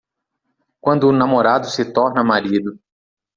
Quando o namorado se torna marido